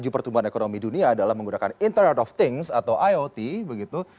pertumbuhan ekonomi dunia adalah menggunakan interior of things atau iot begitu